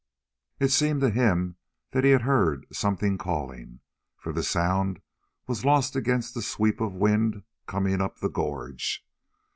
It seemed to him that he had heard something calling, for the sound was lost against the sweep of wind coming up the gorge.